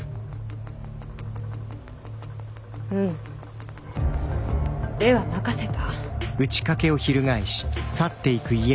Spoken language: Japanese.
うむでは任せた。